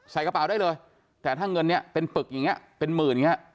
ใส่กระเป๋าได้เลยแต่ถ้าเงินเนี่ยเป็นปึกอย่างนี้เป็นหมื่นอย่างนี้